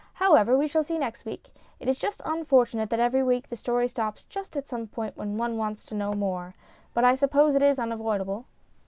However, we shall see next week. It is un fortunate that every week the story stops just at some point where one wants to know more. But I suppose it is unavoidable."